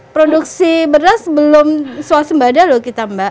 produksi beras belum swasembada loh kita mbak